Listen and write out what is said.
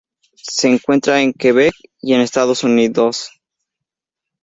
Se encuentra en Quebec y en Estados Unidos.